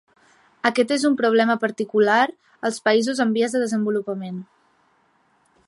Aquest és un problema particular als països en vies de desenvolupament.